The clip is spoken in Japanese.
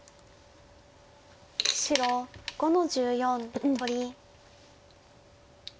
白５の十四取り。